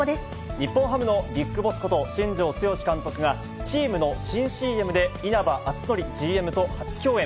日本ハムのビッグボスこと、新庄剛志監督が、チームの新ＣＭで、稲葉篤紀ＧＭと初共演。